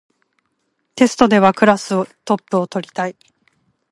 テストではクラスでトップを取りたい